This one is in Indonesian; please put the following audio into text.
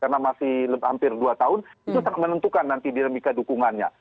karena masih hampir dua tahun itu tak menentukan nanti dinamika dukungannya